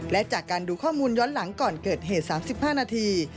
และจากการดูข้อมูลย้อนหลังก่อนเกิดเหตุ๓๕นาที